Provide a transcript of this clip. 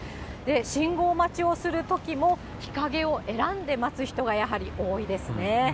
信号待ちをするときも、日陰を選んで待つ人がやはり多いですね。